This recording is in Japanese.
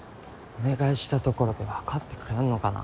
お願いしたところで分かってくれるのかな。